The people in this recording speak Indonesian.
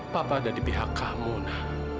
papa ada di pihak kamu